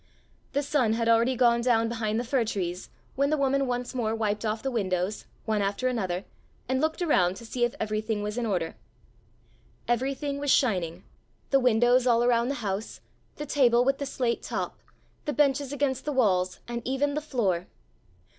The sun had already gone down behind the fir trees when the woman once more wiped off the windows, one after another, and looked around to see if everything was in order. Everything was shining, the windows all around the house, the table with the slate top, the benches against the walls, and even the floor.